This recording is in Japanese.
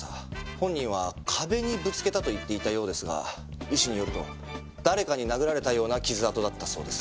本人は壁にぶつけたと言っていたようですが医師によると誰かに殴られたような傷痕だったそうです。